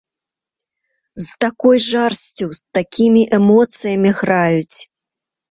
З такой жарсцю, з такімі эмоцыямі граюць.